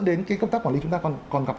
đến cái công tác quản lý chúng ta còn gặp